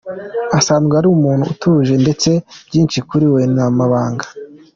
Asanzwe ari umuntu utuje, ndetse byinshi kuri we ni amabanga.